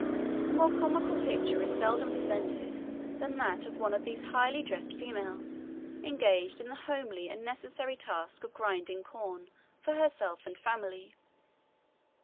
A more comical picture is seldom presented than that of one of these highly dressed females engaged in the homely and necessary task of grinding corn for herself and family.